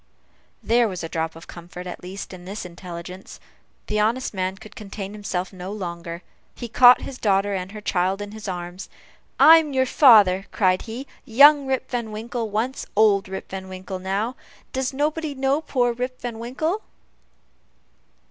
There was a drop of comfort, at least, in this intelligence. The honest man could contain himself no longer. He caught his daughter and her child in his arms. "I am your father!" cried he "Young Rip Van Winkle once old Rip Van Winkle now Does nobody know poor Rip Van Winkle!"